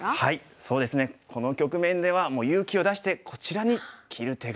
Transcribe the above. そうですねこの局面ではもう勇気を出してこちらに切る手が。